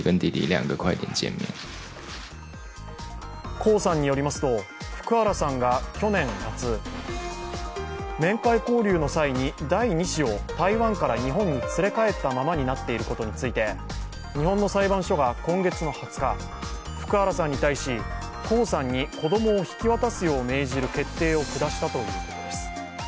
江さんによりますと、福原さんが去年夏、面会交流の際に第２子を台湾から日本に連れ帰ったままになっていることについて、日本の裁判所が今月の２０日、福原さんに対し、江さんに子供を引き渡すよう命じる決定を下したということです。